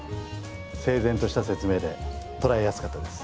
整然とした説明で捉えやすかったです。